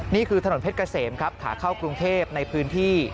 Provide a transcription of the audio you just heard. นี่คือถนนเพชรเกษมครับขาเข้ากรุงเทพในพื้นที่